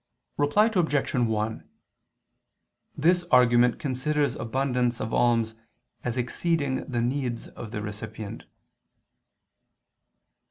Reply Obj. 1: This argument considers abundance of alms as exceeding the needs of the recipient.